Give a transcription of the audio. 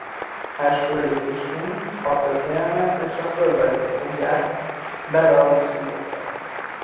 Első lépésként a történelmet és a földrajzot fogják belaruszul oktatni.